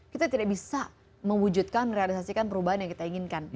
kita tidak bisa mewujudkan merealisasikan perubahan yang kita inginkan